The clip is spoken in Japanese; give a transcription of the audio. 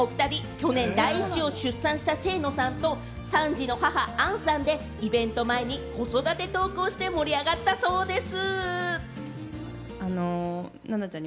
去年、第一子を出産した清野さんと３児の母・杏さんで、イベント前に子育てトークをして盛り上がったそうです。